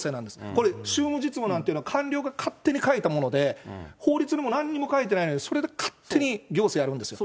これ、宗務実務なんていうのは、官僚が勝手に書いたもので、法律にもなんにも書いてないのに、それが勝手に行政をやるんですよ。